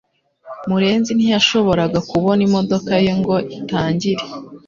murenzi ntiyashoboraga kubona imodoka ye ngo itangire